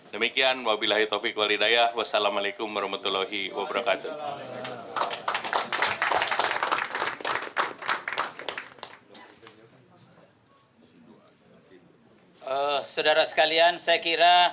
demikian wa bilahi taufiq wal hidayah wassalamu'alaikum warahmatullahi wabarakatuh